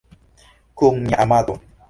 Kun mia amato.